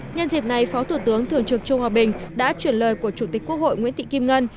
nhân dịp này phó thủ tướng thường trực trương hòa bình đã chuyển lời của chủ tịch quốc hội nguyễn thị kim ngân